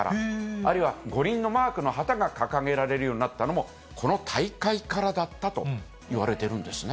あるいは五輪のマークの旗が掲げられるようになったのも、この大会からだったといわれてるんですね。